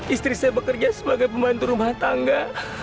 istri saya bekerja sebagai pembantu rumah tangga